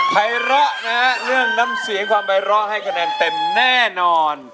ไร้อนะฮะเรื่องน้ำเสียงความไร้อให้คะแนนเต็มแน่นอน